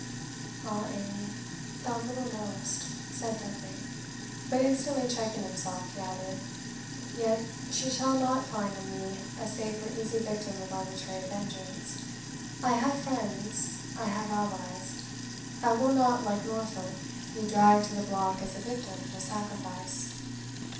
"Ah, Amy, thou little knowest!" said Dudley but instantly checking himself, he added, "Yet she shall not find in me a safe or easy victim of arbitrary vengeance. I have friends I have allies I will not, like Norfolk, be dragged to the block as a victim to sacrifice.